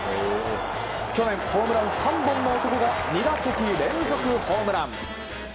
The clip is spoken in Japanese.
去年ホームラン３本の男が２打席連続ホームラン。